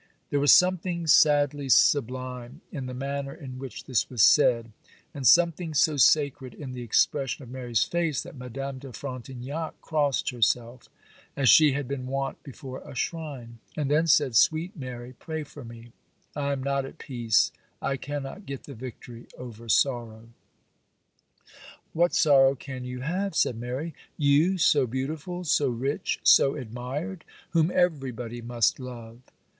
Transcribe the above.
There was something sadly sublime in the manner in which this was said, and something so sacred in the expression of Mary's face, that Madame de Frontignac crossed herself, as she had been wont before a shrine; and then said, 'Sweet Mary, pray for me; I am not at peace; I cannot get the victory over sorrow.' 'What sorrow can you have?' said Mary; 'you, so beautiful, so rich, so admired; whom everybody must love.